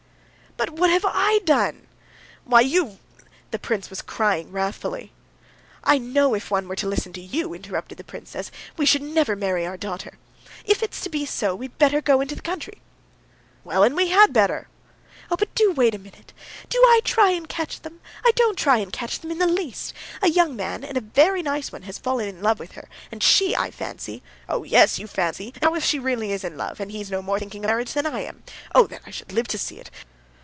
"But what have I done?" "Why, you've...." The prince was crying wrathfully. "I know if one were to listen to you," interrupted the princess, "we should never marry our daughter. If it's to be so, we'd better go into the country." "Well, and we had better." "But do wait a minute. Do I try and catch them? I don't try to catch them in the least. A young man, and a very nice one, has fallen in love with her, and she, I fancy...." "Oh, yes, you fancy! And how if she really is in love, and he's no more thinking of marriage than I am!... Oh, that I should live to see it!